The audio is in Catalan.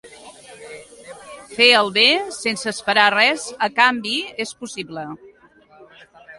Fer el bé sense esperar res a canvi és possible.